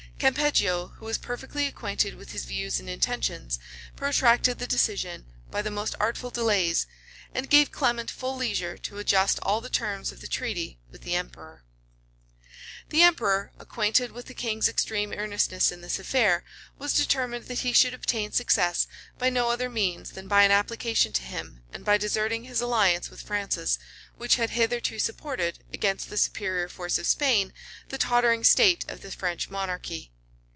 Campeggio, who was perfectly acquainted with his views and intentions, protracted the decision by the most artful delays; and gave Clement full leisure to adjust all the terms of his treaty with the emperor. * Herbert, p 225. Burnet, p. 58. Rymer, vol xiv. p. 270. Strype, vol.i. p. 110, 111. App. No 28 Burnet, vol. i. p. 63. The emperor, acquainted with the king's extreme earnestness in this affair, was determined that he should obtain success by no other means than by an application to him and by deserting his alliance with Francis, which had hitherto supported, against the superior force of Spain, the tottering state of the French monarchy.